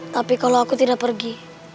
tapi kalau aku tidak pergi